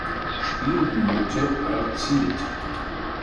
Spielminute erzielt.